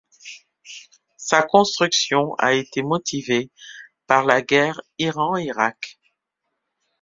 Sa construction a été motivée par la guerre Iran-Irak.